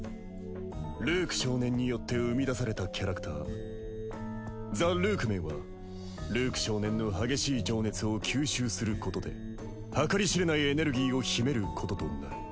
ルーク少年によって生み出されたキャラクターザ・ルークメンはルーク少年の激しい情熱を吸収することで計り知れないエネルギーを秘めることとなる。